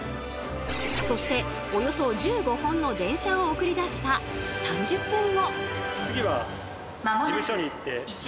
そしておよそ１５本の電車を送り出した３０分後。